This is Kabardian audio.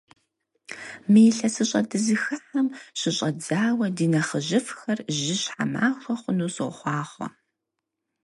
Мы илъэсыщӀэ дызыхыхьэм щыщӀэдзауэ ди нэхъыжьыфӀхэр жьыщхьэ махуэ хъуну сохъуахъуэ!